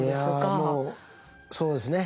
いやもうそうですね。